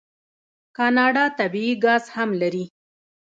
کاناډا طبیعي ګاز هم لري.